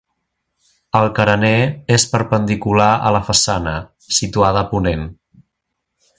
El carener és perpendicular a la façana, situada a ponent.